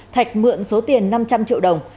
thạch mượn số tiền năm trăm linh triệu đồng